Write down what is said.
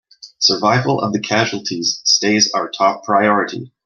Survival of the casualties stays our top priority!